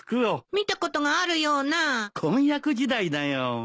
見たことがあるような。婚約時代だよ。あたしのだわ！